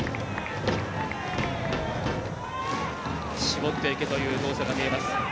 絞っていけという動作が見えます。